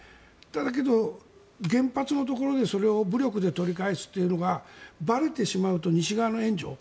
だけど、原発のところでそれを武力で取り返すというのがばれてしまうと西側の援助